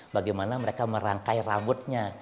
bagaimana mereka merangkai rambutnya